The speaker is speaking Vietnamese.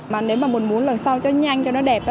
mà nếu mà muốn lần sau cho nhanh cho nó đẹp